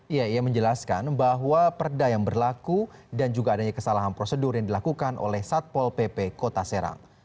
iya ia menjelaskan bahwa perda yang berlaku dan juga adanya kesalahan prosedur yang dilakukan oleh satpol pp kota serang